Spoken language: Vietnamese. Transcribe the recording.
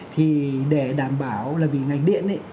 thì để đảm bảo là vì ngành điện